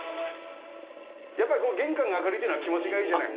やっぱりこの玄関が明るいっていうのは、気持ちがいいじゃない。